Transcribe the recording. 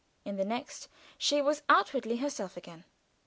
In the next she was outwardly herself again.